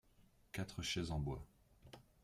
quatre chaises en bois.